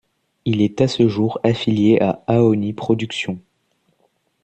Il est à ce jour affilié à Aoni Production.